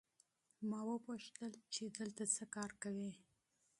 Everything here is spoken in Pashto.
ما وپوښتل چې دلته څه کار کوې؟